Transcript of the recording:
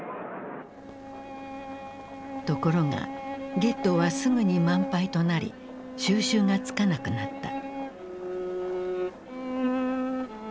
ところがゲットーはすぐに満杯となり収拾がつかなくなった。